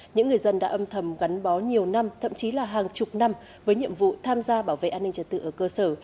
những người dân đã âm thầm gắn bó nhiều năm thậm chí là hàng chục năm với nhiệm vụ tham gia bảo vệ an ninh trật tự ở cơ sở